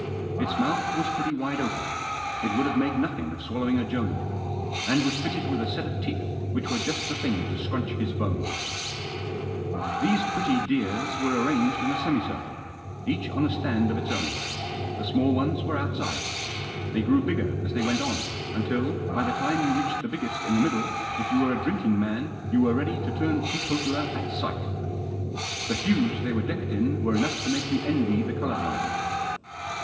Its mouth was pretty wide open. It would have made nothing of swallowing a Jonah. And was fitted with a set of teeth which were just the thing to scrunch his bones. Digitized by 246 THE JOSS. These pretty dears were arranged in a semicircle^ each on a stand of its own. The small ones were outside. They grew bigger as they went on, until, by the time you reached the biggest in the middle, if you were a drinking man you were ready to turn teetotaler at sight The hues they were decked in were enough to make you envy the colour blind.